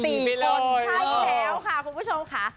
ใช่แล้วค่ะคุณผู้ชมค่ะ